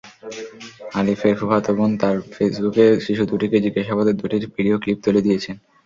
আলিফের ফুফাতো বোন তাঁর ফেসবুকে শিশু দুটিকে জিজ্ঞাসাবাদের দুটি ভিডিও ক্লিপ তুলে দিয়েছেন।